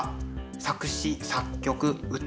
作詞作曲歌